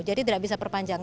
jadi tidak bisa perpanjang